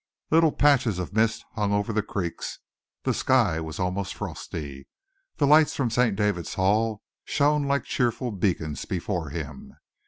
Little patches of mist hung over the creeks, the sky was almost frosty. The lights from St. David's Hall shone like cheerful beacons before him.